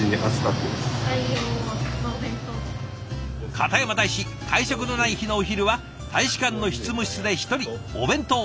片山大使会食のない日のお昼は大使館の執務室で一人お弁当。